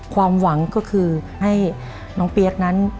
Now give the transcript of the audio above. ความหวังก็คือให้น้องเปี๊ยกนั้น